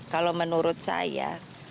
kalau menurut saya